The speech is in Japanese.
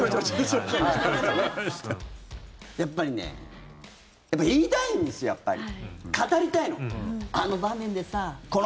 やっぱりね言いたいんです、やっぱり。